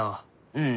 うん。